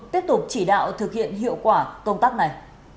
tiếp tục chỉ đạo thực hiện hiệu quả công tác này